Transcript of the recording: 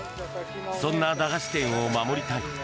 そんな駄菓子店を守りたい。